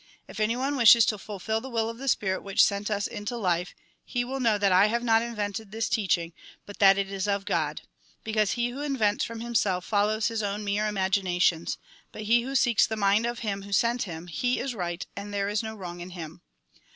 If anyone wishes to fulfil the will of the Spitit which sent us into life, he will know that I have not invented this teaching, but that it is of God. Because he who invents from himself, follows his own mere imaginations ; but he who seeks the mind of Him who sent him, he is right, and there is no wrong in him.